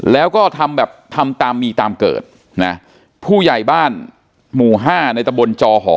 แล้วก็ทำแบบทำตามมีตามเกิดนะผู้ใหญ่บ้านหมู่ห้าในตะบนจอหอ